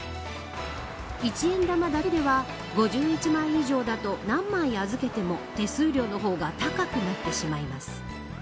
１円玉だけでは５１枚以上だと何枚預けても手数料の方が高くなってしまいます。